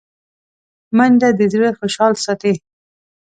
منډه د زړه خوشحال ساتي